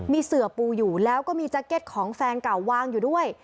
มีเสือปูอยู่แล้วก็มีแจ็คเก็ตของแฟนเก่าวางอยู่ด้วย